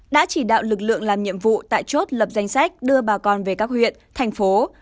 đã chỉ đạo lực lượng làm nhiệm vụ tại chốt lập danh sách đưa bà con về các huyện thành phố